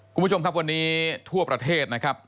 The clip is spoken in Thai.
คุณผู้ชมครับวันนี้ทั่วประเทศนะครับ